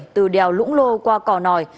từ đèo lũng lô qua cò nòi